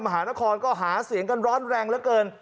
มหานครก็หาเสียงกันร้อนแรงเหลือเกิน